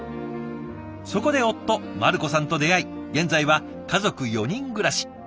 そこで夫マルコさんと出会い現在は家族４人暮らし。